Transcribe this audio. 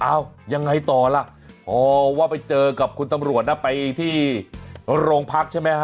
ยังไงต่อล่ะพอว่าไปเจอกับคุณตำรวจนะไปที่โรงพักใช่ไหมฮะ